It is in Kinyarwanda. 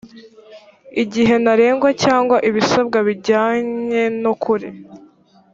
igihe ntarengwa cyangwa ibisabwa bijyanye n’ukuri